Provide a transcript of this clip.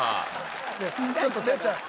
ちょっと哲ちゃん